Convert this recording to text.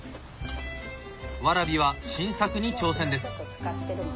ワラビは新作に挑戦です。